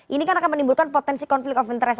ini kan akan menimbulkan potensi konflik of interest